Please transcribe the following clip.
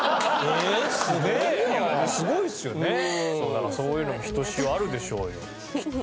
だからそういうのもひとしおあるでしょうよきっと。